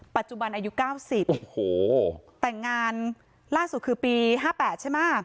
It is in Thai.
ปัจจุบันอายุเก้าสิบโอ้โหแต่งงานล่าสุดคือปีห้าแปดใช่ไหมครับ